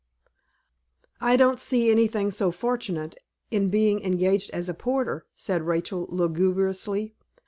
"I don't see anything so very fortunate in being engaged as a porter," said Rachel, lugubriously.